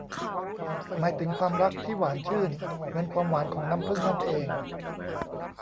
หมายถึงความรักที่หวานชื่นเหมือนความหวานของน้ำผึ้งนั่นเอง